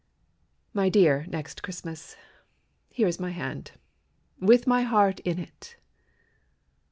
My dear Next Christmas, Here is my hand, With my heart in it.